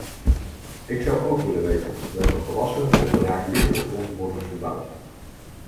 Ik zou ook willen weten welke gewassen op braakliggende grond worden verbouwd.